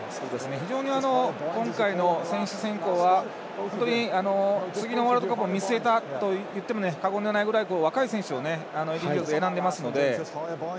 非常に、今回の選手選考は次のワールドカップを見据えたといっても過言ではないくらい若い選手をエディー・ジョーンズ選んでいますので。